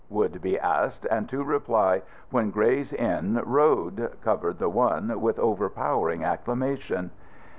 would be asked, and to reply, "When Gray's Inn Road," covered the one with overpowering acclamation.